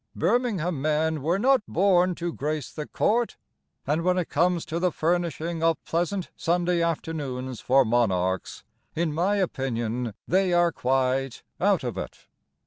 Birmingham men were not born to grace the Court; And, when it comes to the furnishing of Pleasant Sunday Afternoons for Monarchs, In my opinion, they are quite out of it.